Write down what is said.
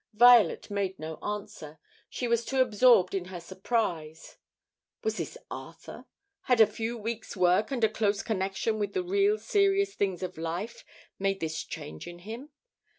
Violet made no answer; she was too absorbed in her surprise. Was this Arthur? Had a few weeks' work and a close connection with the really serious things of life made this change in him?